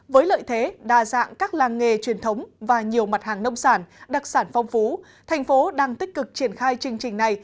với lợi thế đa dạng các làng nghề truyền thống và nhiều mặt hàng nông sản đặc sản phong phú thành phố đang tích cực triển khai chương trình này